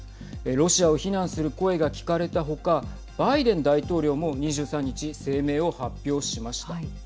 ロシアを非難する声が聞かれた他バイデン大統領も２３日声明を発表しました。